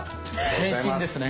変身ですね。